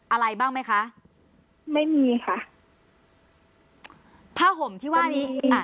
อะไรบ้างไหมคะไม่มีค่ะผ้าห่มที่ว่านี้อ่ะ